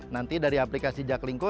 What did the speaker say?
nanti dari aplikasi jaklingco